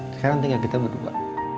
sekarang tinggal kita berdua